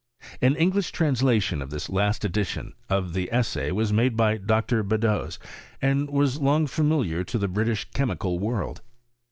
An English translation of this last edition of the Essay was made by Dr. Beddoes, and was long familiar to the British chemical world.